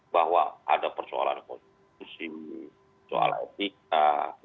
bahwa ada persoalan konstitusi soal etika